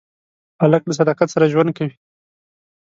هلک له صداقت سره ژوند کوي.